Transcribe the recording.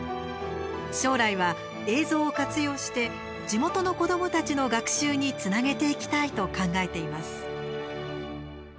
将来は映像を活用して地元の子どもたちの学習につなげていきたいと考えています。